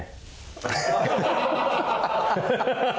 ハハハハ！